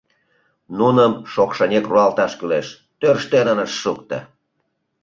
Нуным шокшынек руалташ кӱлеш, тӧрштен ынышт шукто.